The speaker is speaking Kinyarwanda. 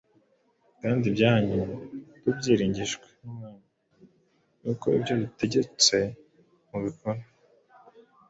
Kandi ibyanyu tubyiringijwe n’Umwami, yuko ibyo dutegetse mubikora,